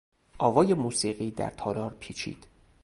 آوای موسیقی در تالار پیچید.